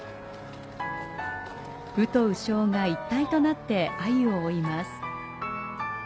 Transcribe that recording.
鵜と鵜匠が一体となって鮎を追います。